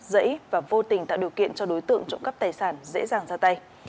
dãy và vô tình tạo điều kiện cho đối tượng trộm cắp tài sản dễ dàng ra tay